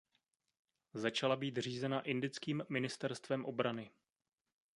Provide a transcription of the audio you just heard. Začala být řízena indickým ministerstvem obrany.